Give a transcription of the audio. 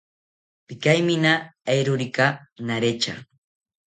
Pikaimina eerokika naretya